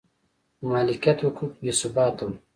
د مالکیت حقوق بې ثباته و